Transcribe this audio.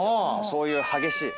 そういう激しい。